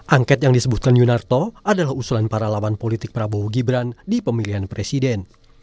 angket yang disebutkan yunarto adalah usulan para lawan politik prabowo gibran di pemilihan presiden